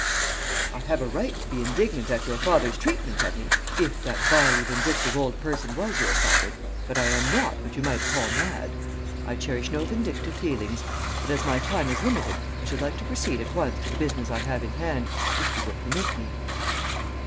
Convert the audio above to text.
"'I have a right to be indignant at your father's treatment of me, if that vilely vindictive old person was your father, but I am not what you might call mad. I cherish no vindictive feelings. But as my time is limited I should like to proceed at once to the business I have in hand, if you will permit me.'